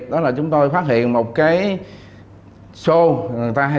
đó là chúng tôi phát hiện một cái